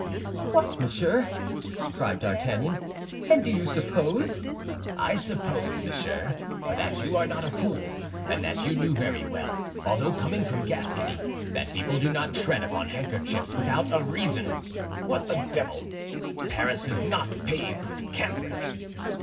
"What, monsieur!" cried D'Artagnan, "and do you suppose—" "I suppose, monsieur, that you are not a fool, and that you knew very well, although coming from Gascony, that people do not tread upon handkerchiefs without a reason. What the devil! Paris is not paved with cambric!"